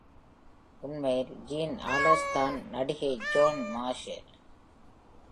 உண்மையில் Jean Arlessதான் நடிகை Joan Marshall.